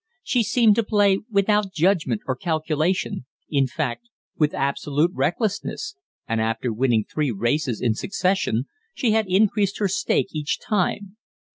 She seemed to play without judgment or calculation, in fact, with absolute recklessness, and after winning three "races" in succession she had increased her stake each time.